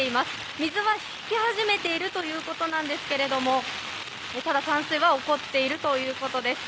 水は引き始めているということなんですがただ、冠水は起こっているということです。